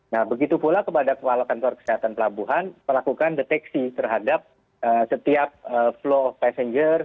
nah begitu pula kepada kepala kantor kesehatan pelabuhan melakukan deteksi terhadap setiap flow passenger